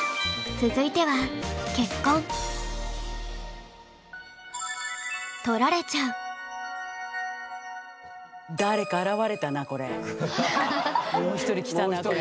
続いてはもう一人来たなこれ。